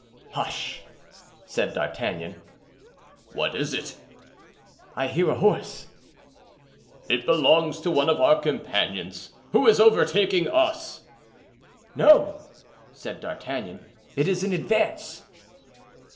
"Hush!" said D'Artagnan. "What is it?" "I hear a horse." "It belongs to one of our companions, who is overtaking us." "No," said D'Artagnan, "it is in advance."